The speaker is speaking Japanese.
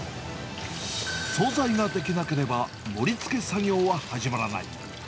総菜ができなければ、盛りつけ作業は始まらない。